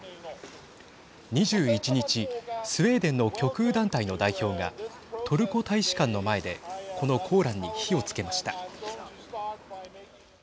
２１日スウェーデンの極右団体の代表がトルコ大使館の前でこのコーランに火をつけました。